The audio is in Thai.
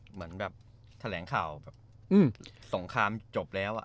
เหมือนแบบแถลงข่าวแบบสงครามจบแล้ว